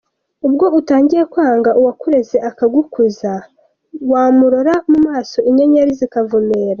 Ubwo utangiye kwanga uwakureze akagukuza, wamurora mu maso inyeri zikavumera.